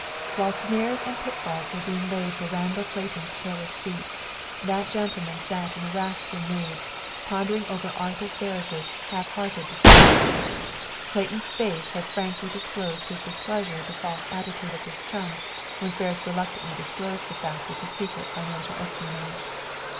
While snares and pitfalls were being laid for Randall Clayton's careless feet, that gentleman sat in a wrathful mood, pondering over Arthur Ferris' half hearted disclosures. Clayton's face had frankly disclosed his displeasure at the false attitude of his chum, when Ferris reluctantly disclosed the fact of the secret financial espionage.